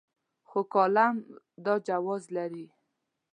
خو کالم دا جواز لري.